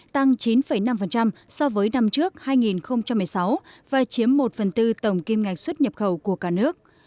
tăng chín năm so với năm trước hai nghìn một mươi sáu và chiếm một phần tư tổng kim ngạch xuất nhập khẩu của cả nước